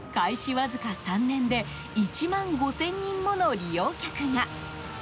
わずか３年で１万５０００人もの利用客が。